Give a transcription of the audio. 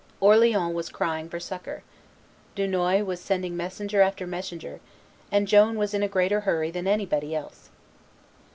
Orleans was crying for succor; Dunois was sending messenger after messenger; and Joan was in a greater hurry than anybody else.